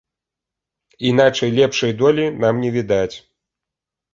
Іначай лепшай долі нам не відаць.